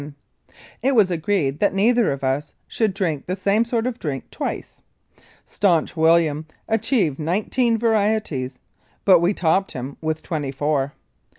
It was agreed that neither of us should drink the same sort of drink twice. Staunch William achieved nineteen varieties, but we topped him with twenty four.